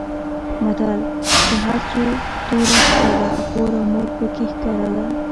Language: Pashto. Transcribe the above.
متل؛ که هر څو توره شپه ده؛ خور او مور په کې ښکاره ده.